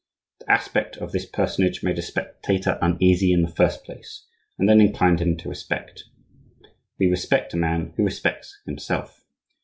The aspect of this personage made a spectator uneasy in the first place, and then inclined him to respect. We respect a man who respects himself.